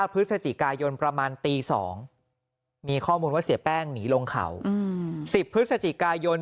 พฤศจิกายนประมาณตี๒มีข้อมูลว่าเสียแป้งหนีลงเขา๑๐พฤศจิกายน